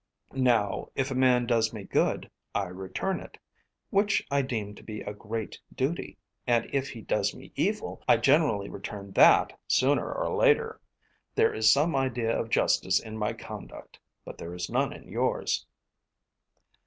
Now, if a man does me good, I return it, which I deem to be a great duty, and if he does me evil, I generally return that sooner or later. There is some idea of justice in my conduct, but there is none in yours."